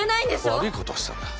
悪いことをしたんだ。